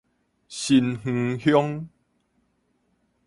新園鄉